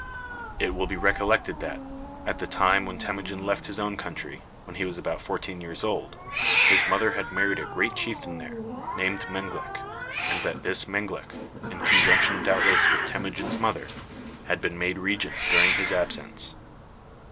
It will be recollected that, at the time that Temujin left his own country, when he was about fourteen years old, his mother had married a great chieftain there, named Menglik, and that this Menglik, in conjunction doubtless with Temujin's mother, had been made regent during his absence.